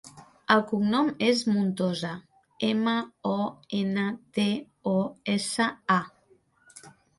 El cognom és Montosa: ema, o, ena, te, o, essa, a.